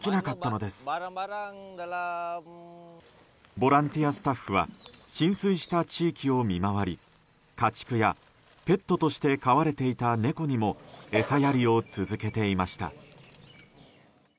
ボランティアスタッフは浸水した地域を見回り家畜やペットとして飼われていた猫にも餌やりを続けていました。